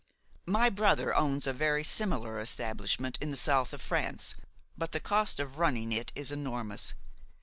My brother owns a very similar establishment in the south of France, but the cost of running it is enormous.